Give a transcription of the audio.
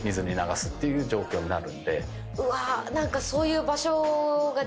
うわ何か。